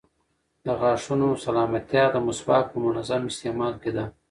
د غاښونو سلامتیا د مسواک په منظم استعمال کې ده.